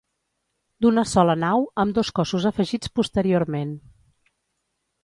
D'una sola nau, amb dos cossos afegits posteriorment.